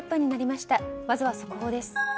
まずは速報です。